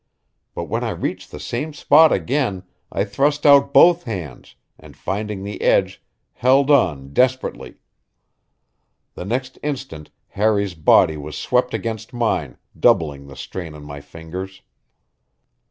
But when I reached the same spot again I thrust out both hands, and, finding the edge, held on desperately. The next instant Harry's body was swept against mine, doubling the strain on my fingers.